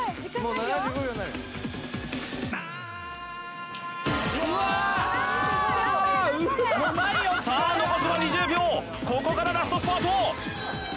頑張れ頑張れさあ残すは２０秒ここからラストスパート！